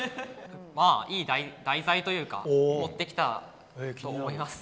まあいい題材というか持ってきたと思います。